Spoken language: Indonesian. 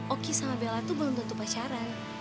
oki sama bella tuh belum tentu pacaran